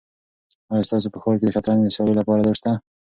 آیا ستاسو په ښار کې د شطرنج د سیالیو لپاره ځای شته؟